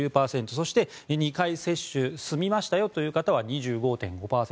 そして２回接種済みましたよという方は２５．５％。